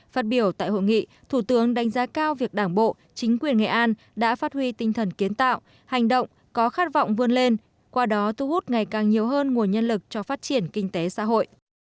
phát biểu tại hội nghị thủ tướng đánh giá cao việc đảng bộ chính quyền nghệ an đã phát huy tinh thần kiến tạo hành động có khát vọng vươn lên qua đó thu hút ngày càng nhiều hơn nguồn nhân lực cho phát triển kinh tế xã hội